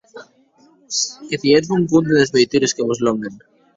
Que tietz bon compde des veitures que vos lòguen!